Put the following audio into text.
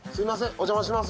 お邪魔します！